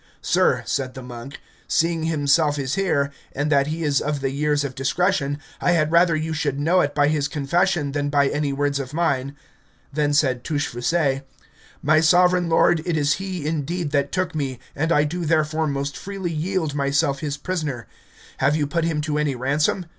Sir, said the monk, seeing himself is here, and that he is of the years of discretion, I had rather you should know it by his confession than by any words of mine. Then said Touchfaucet, My sovereign lord it is he indeed that took me, and I do therefore most freely yield myself his prisoner. Have you put him to any ransom?